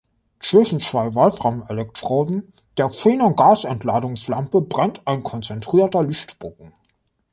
Zwischen zwei Wolfram-Elektroden der Xenon-Gasentladungslampe brennt ein konzentrierter Lichtbogen.